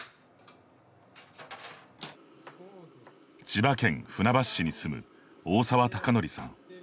千葉県船橋市に住む大澤貴成さん。